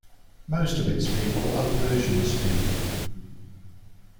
Most of its people are Persian-speaking.